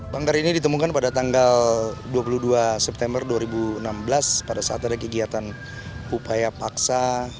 banggar ini ditemukan pada tanggal dua puluh dua september dua ribu enam belas pada saat ada kegiatan upaya paksa